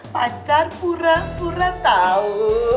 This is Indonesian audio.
pacar pura pura tau